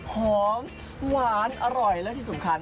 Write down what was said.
หอมหวานอร่อยและที่สำคัญ